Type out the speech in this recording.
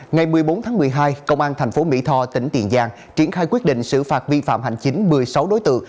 ngày một mươi bốn tháng một mươi hai công an thành phố mỹ tho tỉnh tiền giang triển khai quyết định xử phạt vi phạm hành chính một mươi sáu đối tượng